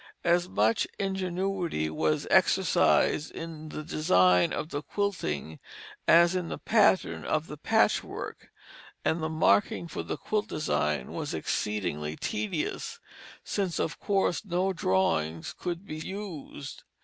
As much ingenuity was exercised in the design of the quilting as in the pattern of the patchwork, and the marking for the quilt design was exceedingly tedious, since, of course, no drawings could be used.